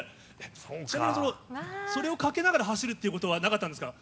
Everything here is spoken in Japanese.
ちなみに、それをかけながら走るっていうことはなかったんですか。